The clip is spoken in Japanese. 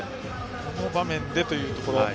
この場面でということ。